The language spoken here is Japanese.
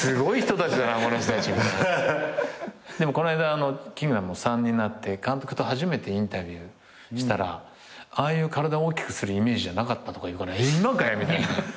この間『キングダム』も３になって監督と初めてインタビューしたらああいう体大きくするイメージじゃなかったとかいうから今かよみたいな。